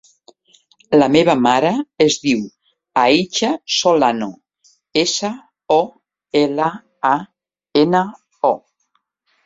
La meva mare es diu Aicha Solano: essa, o, ela, a, ena, o.